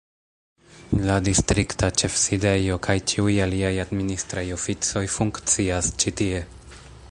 La distrikta ĉefsidejo kaj ĉiuj aliaj administraj oficoj funkcias ĉi tie.